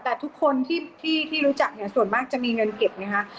แต่ทุกคนที่รู้จักเนี่ยส่วนมากจะมีเงินเก็บไงฮะ